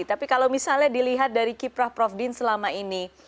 tapi kalau misalnya dilihat dari kiprah prof din selama ini